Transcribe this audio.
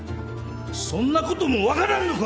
そんなことも分からんのか！